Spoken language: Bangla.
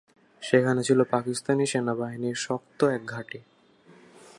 সেখানে ছিল পাকিস্তানি সেনাবাহিনীর শক্ত এক ঘাঁটি।